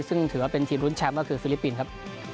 ซึ่งถือว่าเป็นทีมรุ้นแชมป์ก็คือฟิลิปปินส์ครับ